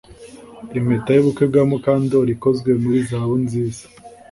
Impeta yubukwe bwa Mukandoli ikozwe muri zahabu nziza